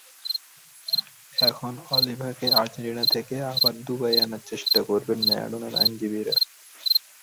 এখন অলিভাকে আর্জেন্টিনা থেকে আবার দুবাইয়ে আনার চেষ্টা করবেন ম্যারাডোনার আইনজীবীরা।